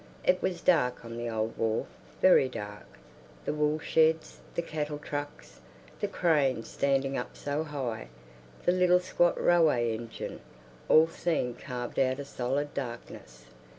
It was dark on the Old Wharf, very dark; the wool sheds, the cattle trucks, the cranes standing up so high, the little squat railway engine, all seemed carved out of solid darkness.